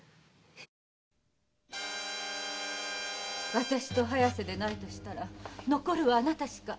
私と早瀬でないとしたら残るはあなたしか。